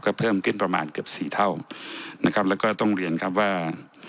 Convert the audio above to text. ก็เพิ่มขึ้นประมาณเกือบสี่เท่านะครับแล้วก็ต้องเรียนครับว่า